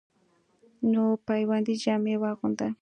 نو پیوندي جامې واغوندۀ،